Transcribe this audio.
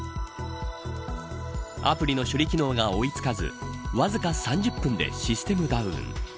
アプリの処理機能が追い付かずわずか３０分でシステムダウン。